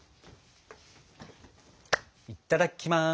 いただきます！